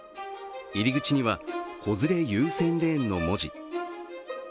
入り口には子連れ優先レーンの文字。